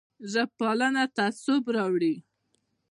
ژب پالنه تعصب راوړي